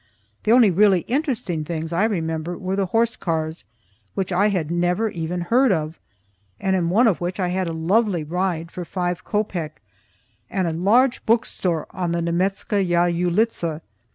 The only really interesting things I remember were the horsecars, which I had never even heard of, and in one of which I had a lovely ride for five copeiky, and a large book store on the Nemetzka yah Ulitza.